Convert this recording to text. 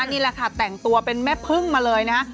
นี่แหละค่ะแต่งตัวเป็นแม่พึ่งมาเลยนะฮะ